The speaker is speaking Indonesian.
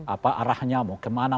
apa arahnya mau kemana